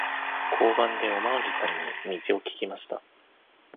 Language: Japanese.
交番でおまわりさんに道を聞きました。